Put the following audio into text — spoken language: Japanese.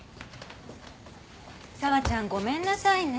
紗和ちゃんごめんなさいね。